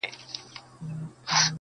دوې کښتۍ مي وې نجات ته درلېږلي-